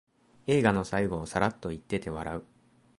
映画の最後をサラッと言ってて笑う